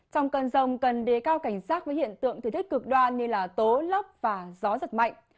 trong cơn rông cần đề cao cảnh sát với hiện tượng thời tiết cực đoan như tố lốc và gió giật mạnh